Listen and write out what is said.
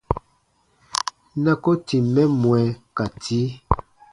Na ko tìm mɛ mwɛ ka tii.